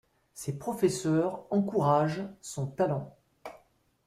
Ses professeurs encouragent son talent.